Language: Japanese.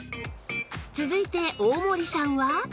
続いて大森さんは？